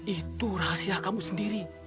itu rahasia kamu sendiri